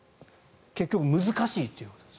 結局、難しいということです。